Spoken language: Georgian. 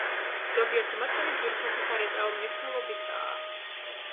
ზოგიერთი მათგანი ძვირფასი სარეწაო მნიშვნელობისაა.